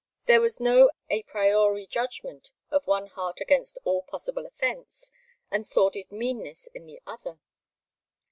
There was no 'a priori' judgment of one heart against all possible offence and sordid meanness in the other.